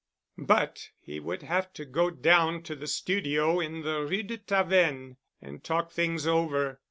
But he would have to go down to the studio in the Rue de Tavennes and talk things over.